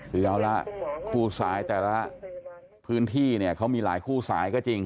คือเอาละคู่สายแต่ละพื้นที่เนี่ยเขามีหลายคู่สายก็จริง